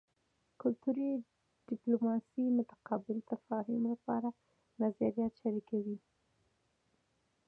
کلتوري ډیپلوماسي د متقابل تفاهم لپاره نظریات شریکوي